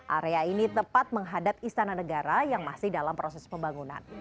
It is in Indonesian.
area ini tepat menghadap istana negara yang masih dalam proses pembangunan